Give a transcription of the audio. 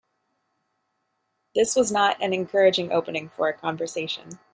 This was not an encouraging opening for a conversation.